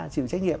chịu trách nhiệm